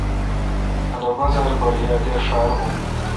للو بازار پر بے دیر ݭار بھون۔